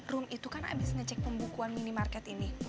room itu kan abis ngecek pembukuan minimarket ini